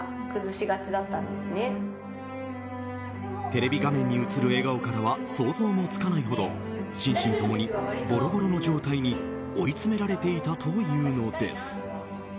テレビ画面に映る笑顔からは想像もつかないほど心身共にボロボロの状態に追い詰められていたというのです。